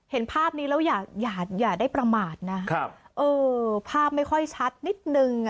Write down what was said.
เห็นภาพนี้แล้วอย่าได้ประมาทนะเออภาพไม่ค่อยชัดนิดนึง